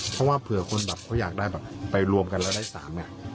เพราะว่าเผื่อคนแบบเขาอยากได้แบบไปรวมกันแล้วได้๓เนี่ย